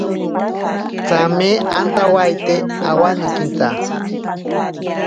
Tsame antawaite awanekinta.